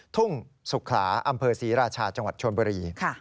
ทุ่งสุขลาอำเภอศรีราชาจังหวัดชนบุรี